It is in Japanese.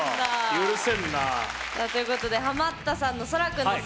「許せんなぁ」。ということでハマったさんのそらくんです。